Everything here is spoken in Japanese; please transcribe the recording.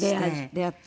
出会って。